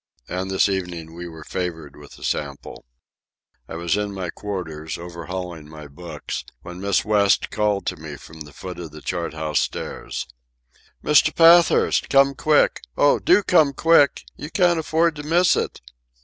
And this evening we were favoured with a sample. I was in my quarters, overhauling my books, when Miss West called to me from the foot of the chart house stairs: "Mr. Pathurst!—Come quick! Oh, do come quick! You can't afford to miss it!"